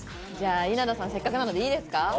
稲田さん、せっかくなので、いいですか？